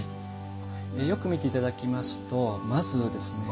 よく見て頂きますとまずですね